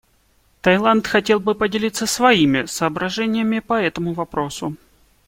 Таиланд хотел бы поделиться своими соображениями по этому вопросу.